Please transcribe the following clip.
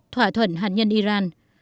thỏa thuận hàn quốc và liên hợp quốc